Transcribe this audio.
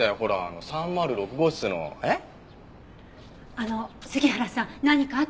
あの杉原さん何かあったんですか？